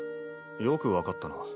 よく分かったな。